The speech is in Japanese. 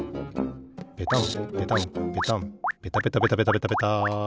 ペタンペタンペタンペタペタペタペタペタ！